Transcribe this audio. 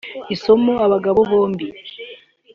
Isano abagabo bombi